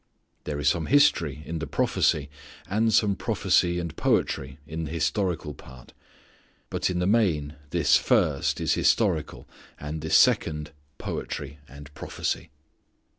There is some history in the prophecy, and some prophecy and poetry in the historical part. But in the main this first is historical, and this second poetry and prophecy.